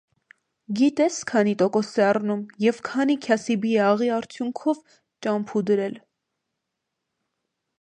Գիտե՞ս քանի տոկոս է առնում և քանի քյասիբի է աղի արցունքով ճամփու դրել…